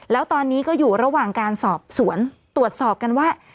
แล้วตอนนี้ก็อยู่ระหว่างการสอบสวนตรวจสอบกันว่า